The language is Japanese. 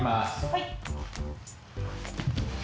はい。